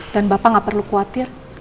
dan bapak nggak perlu khawatir